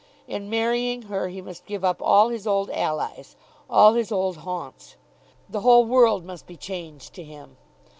In marrying her he must give up all his old allies, all his old haunts. The whole world must be changed to him.